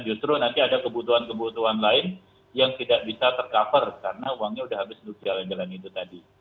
justru nanti ada kebutuhan kebutuhan lain yang tidak bisa tercover karena uangnya sudah habis untuk jalan jalan itu tadi